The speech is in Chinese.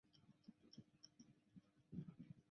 则是食用时把食物蘸进已调味的酱。